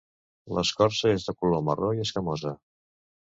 L'escorça és de color marró i escamosa.